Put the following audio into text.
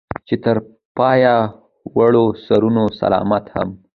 چې تر پايه وړو سرونه سلامت هم